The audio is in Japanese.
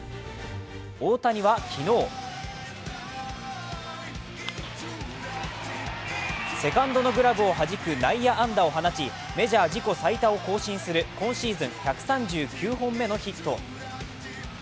大谷は昨日、セカンドのグラブをはじく内野安打を放ちメジャー自己最多を更新する今シーズン１３９本目のヒット。